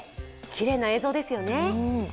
きれいな映像ですよね。